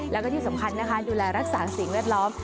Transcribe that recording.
แล้วก็ที่สำคัญนะคะดูแลรักษาสิ่งแวดล้อม